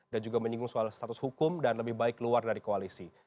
dan juga menyinggung soal status hukum dan lebih baik luar dari koalisi